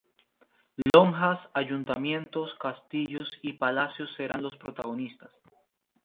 Lonjas, ayuntamientos, castillos y palacios serán los protagonistas.